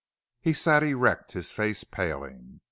He sat erect, his face paling.